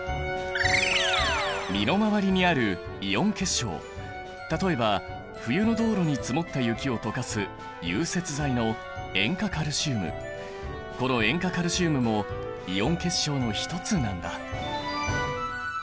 身の回りにあるイオン結晶例えば冬の道路に積もった雪をとかすこの塩化カルシウムもイオン結晶の一つなんだ。